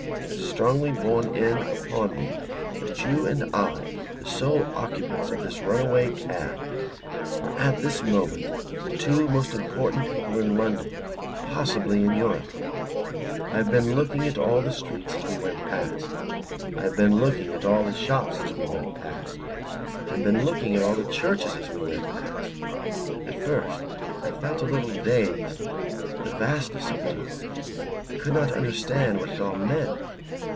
It is strongly borne in upon me that you and I, the sole occupants of this runaway cab, are at this moment the two most important people in London, possibly in Europe. I have been looking at all the streets as we went past, I have been looking at all the shops as we went past, I have been looking at all the churches as we went past. At first, I felt a little dazed with the vastness of it all. I could not understand what it all meant.